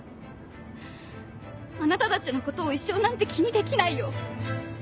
あなたたちのことを一生なんて気にできないよ。